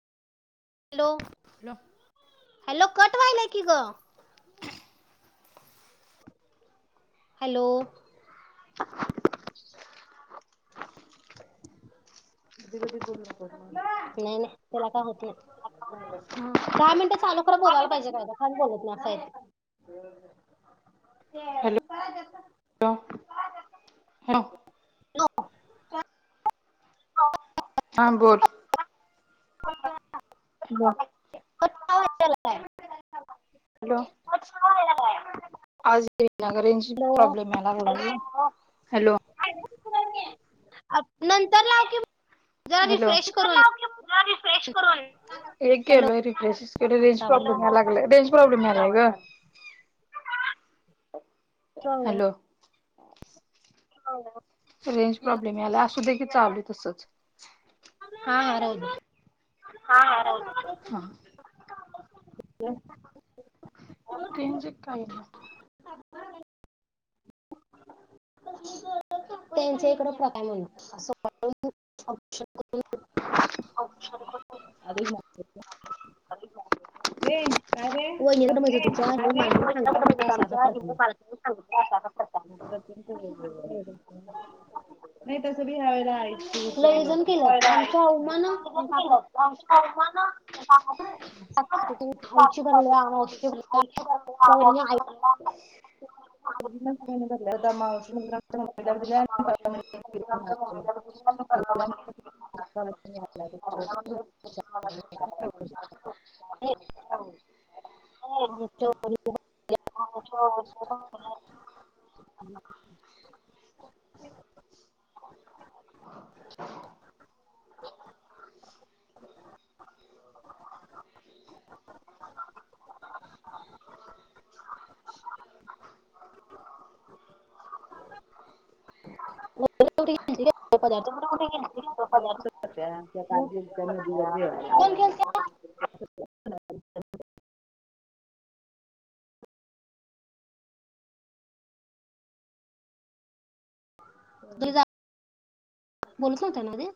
Hello hello hello cut व्हायलायं की गं. हॅलो. [inaudible] नाही नाही त्याला काही होतं नाही दहा मिनटे चालू खरं बोलायला पाहिजे काही तर काहीच बोलत नाही असं. [inaudible] ह. हॅलो. हां बोल बरं. कट का व्हाय- हॅलो आज. [unintelligible] आगं रेंज प्रॉब्लेम याय लागलाय गं. हॅलो अ नंतर लाव की? जरा हॅलो रिफ्रेश पुन्हा करून लाव की, पुन्हा रिफ्रेश करून. ये हॅलो केलंय रिफ्रश केलोय रेंज आत्ता आवाज प्रॉब्लेम चालू या लाग रेंज प्रॉब्लेमलाय ग. Problem hello. हो ना. रेंज प्रॉब्लेम यालाय असू दे. चालू तसच. हा. राहूदे. हा हा राहूदे. रेंज एक काय येईना. त्यांच्या इकड प्रथा आहे म्हण अस औ अरे मा आलीत मा ये काय रे? म असा असा प्रकार मा आहे. सांग नाही तस बी ह्यावेला लई जण केलं आमच्या उमा न काका करता ना? आईची भरल्या. मावशीची आईची भरल्या, आईची त्याच्या मावशी नं हो. हय आमच्या [unintelligible] घेतली. पदार्थ काल गेलत नदीवर जेवायला. कोण गेलत? ह. [unintelligible]